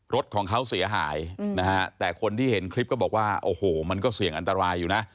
รถของเขาเสียหายนะฮะแต่คนที่เห็นคลิปก็บอกว่าโอ้โหมันก็เสี่ยงอันตรายอยู่นะ